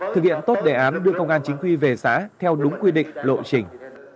thực hiện tốt đề án đưa công an chính quy về xã theo đúng quy định lộ trình